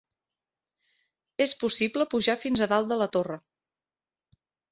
És possible pujar fins a dalt de la torre.